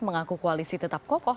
mengaku koalisi tetap kokoh